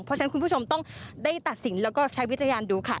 เพราะฉะนั้นคุณผู้ชมต้องได้ตัดสินแล้วก็ใช้วิจารณ์ดูค่ะ